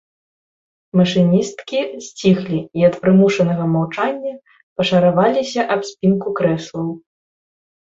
Машыністкі сціхлі і ад прымушанага маўчання пашараваліся аб спінку крэслаў.